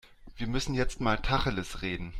Wir müssen jetzt mal Tacheles reden.